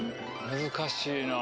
難しいな。